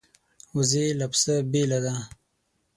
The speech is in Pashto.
وزې له پسه بېله ده